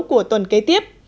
của tuần kế tiếp